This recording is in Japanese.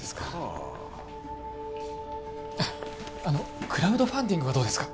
ああのクラウドファンディングはどうですか？